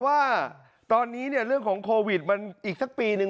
ว่าตอนนี้เนี่ยเรื่องของโควิดมันอีกสักปีนึง